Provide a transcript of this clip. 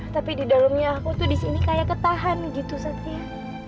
tapi di dalamnya aku tuh di sini kayak ketahan gitu satria